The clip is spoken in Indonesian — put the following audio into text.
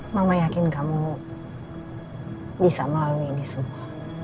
mama yakin kamu bisa melalui ini semua